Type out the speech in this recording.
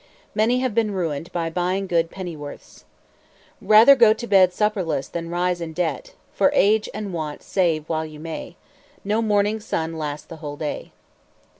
"Many have been ruined by buying good pennyworths." "Rather go to bed supperless than rise in debt." "For age and want save while you may; No morning sun lasts the whole day."